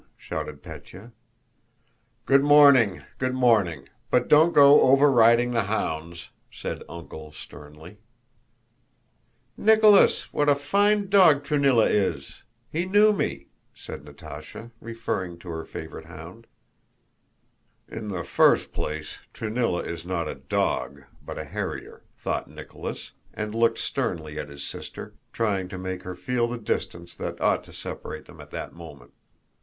shouted Pétya. "Good morning, good morning! But don't go overriding the hounds," said "Uncle" sternly. "Nicholas, what a fine dog Truníla is! He knew me," said Natásha, referring to her favorite hound. "In the first place, Truníla is not a 'dog,' but a harrier," thought Nicholas, and looked sternly at his sister, trying to make her feel the distance that ought to separate them at that moment.